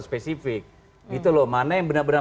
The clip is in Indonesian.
spesifik gitu loh mana yang benar benar